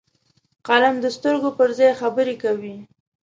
قلم د سترګو پر ځای خبرې کوي